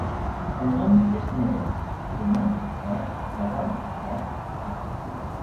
El nom és Nerea: ena, e, erra, e, a.